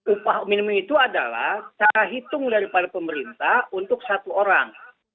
upah minimum itu adalah cara hitung daripada pemerintah untuk satu orang